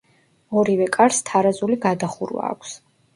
ორივე კარს თარაზული გადახურვა აქვს.